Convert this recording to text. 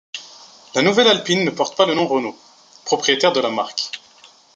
La nouvelle Alpine ne porte pas le nom Renault, propriétaire de la marque.